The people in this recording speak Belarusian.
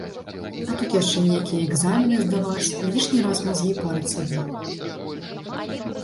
А тут яшчэ нейкія экзамены здаваць, лішні раз мазгі парыць сабе.